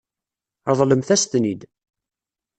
Ṛeḍlemt-as-ten-id.